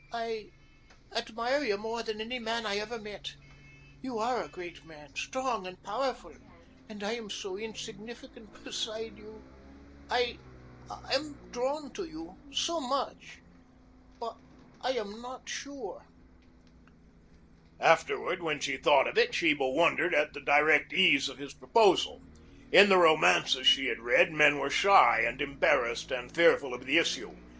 "I admire you more than any man I ever met. You are a great man, strong and powerful, and I am so insignificant beside you. I am drawn to you so much. But I am not sure." Afterward, when she thought of it, Sheba wondered at the direct ease of his proposal. In the romances she had read, men were shy and embarrassed and fearful of the issue.